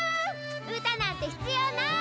うたなんてひつようない！